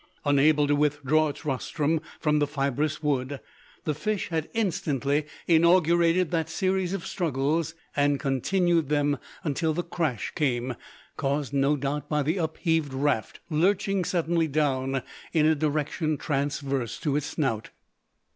Unable to withdraw its rostrum from the fibrous wood, the fish had instantly inaugurated that series of struggles, and continued them, until the crash came, caused, no doubt, by the upheaved raft lurching suddenly down in a direction transverse to its snout.